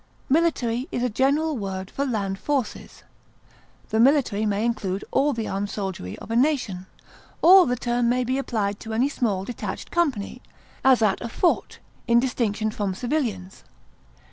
Military is a general word for land forces; the military may include all the armed soldiery of a nation, or the term may be applied to any small detached company, as at a fort, in distinction from civilians.